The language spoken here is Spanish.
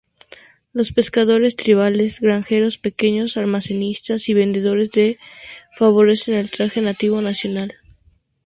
Los pescadores tribales, granjeros, pequeños-almacenistas y vendedores que favorecen el traje nativo tradicional.